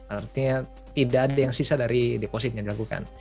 artinya tidak ada yang sisa dari depositnya dilakukan